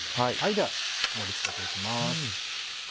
では盛り付けていきます。